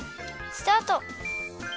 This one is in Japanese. スタート。